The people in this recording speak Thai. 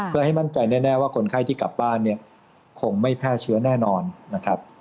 เพื่อให้มั่นใจแน่ว่าคนไข้ที่กลับบ้านเนี่ยคงไม่แพร่เชื้อแน่นอนนะครับ